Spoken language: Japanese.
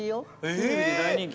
「テレビで大人気」。